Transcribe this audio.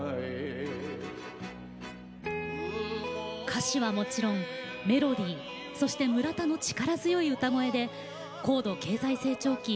歌詞はもちろんメロディーそして村田の力強い歌声で高度経済成長期